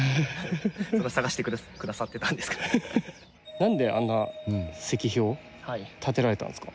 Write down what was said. なんであんな石碑を建てられたんですか？